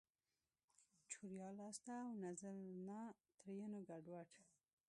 چوریا لاسته اونزنا؛ ترينو ګړدود